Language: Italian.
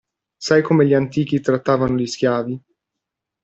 Sai come gli antichi trattavano gli schiavi?